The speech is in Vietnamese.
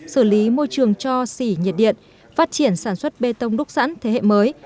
xử lý môi trường cho xỉ nhiệt điện phát triển sản xuất bê tông đúc sẵn thế hệ mới